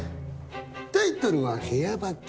タイトルは「部屋履き」。